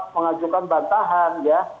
mengajukan bantahan ya